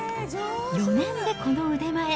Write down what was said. ４年でこの腕前。